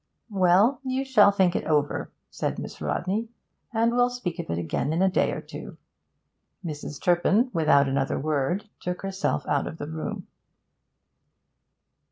'Well, you shall think it over,' said Miss Rodney, 'and we'll speak of it again in a day or two.' Mrs. Turpin, without another word, took herself out of the room.